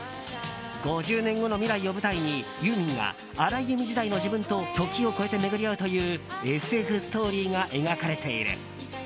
５０年後の未来を舞台にユーミンが荒井由実時代の自分と時を越えて巡り会うというＳＦストーリーが描かれている。